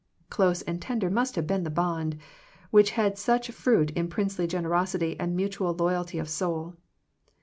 Close and tender must have been the bond, which had such fruit in princely generosity and mutual loyalty of soul.